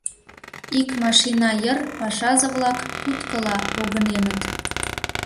Ик машина йыр пашазе-влак куткыла погыненыт.